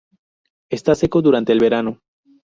Está seco durante el verano.